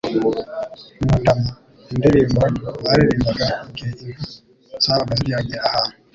Mu ndama : indirimbo baririmbaga mu gihe inka zabaga zibyagiye ahantu,